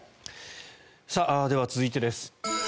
では、続いてです。